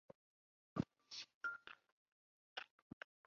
应该不会太难